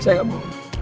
saya gak mau